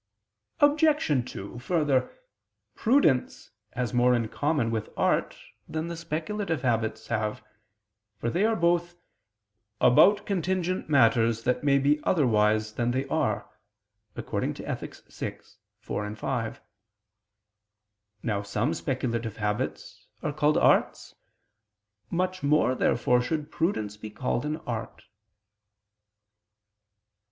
Obj. 2: Further, prudence has more in common with art than the speculative habits have; for they are both "about contingent matters that may be otherwise than they are" (Ethic. vi, 4, 5). Now some speculative habits are called arts. Much more, therefore, should prudence be called an art.